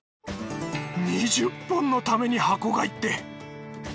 ２０本のために箱買いって。